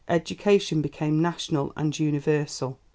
Education became national and universal.